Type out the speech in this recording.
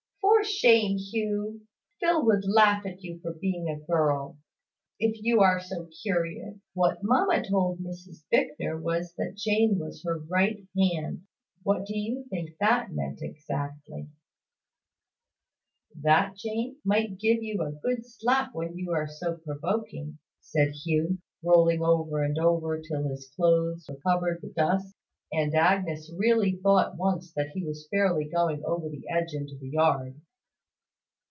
"For shame, Hugh! Phil would laugh at you for being a girl if you are so curious. What mamma told Mrs Bicknor was that Jane was her right hand. What do you think that meant exactly?" "That Jane might give you a good slap when you are so provoking," said Hugh, rolling over and over, till his clothes were covered with dust, and Agnes really thought once that he was fairly going over the edge into the yard.